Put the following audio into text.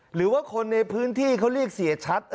หรือว่าคนในพื้นที่เขาเรียกเสียชัด